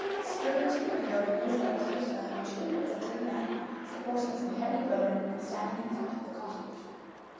Springing to the window, he was able to discern two or three men supporting some heavy burden and standing in front of the cottage.